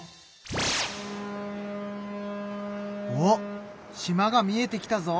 うわっ島が見えてきたぞ。